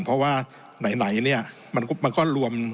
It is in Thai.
เพราะว่าไหนมันก็รวม